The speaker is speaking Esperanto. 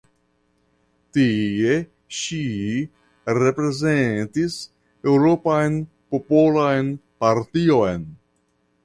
Tie ŝi reprezentis Eŭropan Popolan Partion.